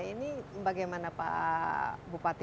ini bagaimana pak bupati